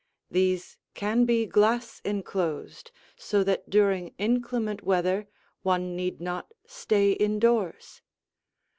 These can be glass enclosed, so that during inclement weather one need not stay indoors.